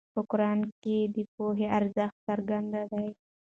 په قرآن کې د پوهې ارزښت څرګند دی.